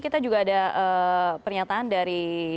kita juga ada pernyataan dari